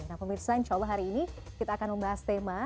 nah pemirsa insya allah hari ini kita akan membahas tema